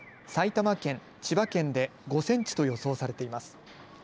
埼玉県、千葉県で５センチと予想されています。